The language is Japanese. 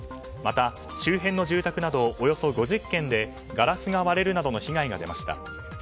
また周辺の住宅などおよそ５０軒でガラスが割れるなどの被害が出ました。